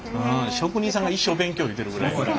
職人さんが一生勉強言うてるぐらいやから。